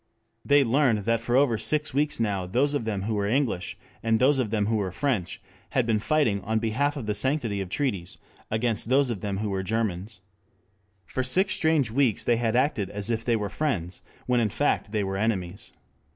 They learned that for over six weeks now those of them who were English and those of them who were French had been fighting in behalf of the sanctity of treaties against those of them who were Germans. For six strange weeks they had acted as if they were friends, when in fact they were enemies.